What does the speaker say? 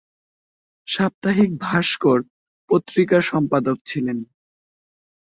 সাপ্তাহিক "ভাস্কর" পত্রিকার সম্পাদক ছিলেন।